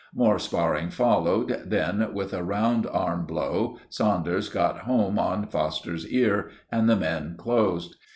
More sparring followed, then, with a round arm blow, Saunders got home on Foster's ear, and the men closed.